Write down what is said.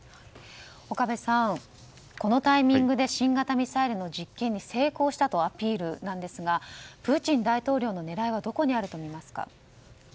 岡部さん、このタイミングで新型ミサイルの実験に成功したとアピールなんですがプーチン大統領の狙いはどこにあると思いますか？